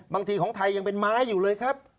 ของไทยยังเป็นไม้อยู่เลยครับ